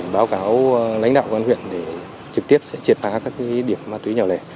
báo cáo lãnh đạo quan huyện trực tiếp sẽ triệt phá các điểm ma túy nhỏ lẻ